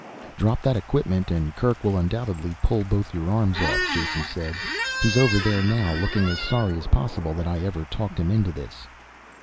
"Drop that equipment and Kerk will undoubtedly pull both your arms off," Jason said. "He's over there now, looking as sorry as possible that I ever talked him into this."